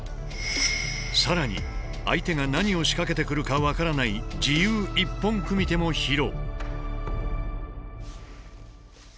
更に相手が何を仕掛けてくるか分からない「自由一本組手」も披露。